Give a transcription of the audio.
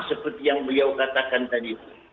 seperti yang beliau katakan tadi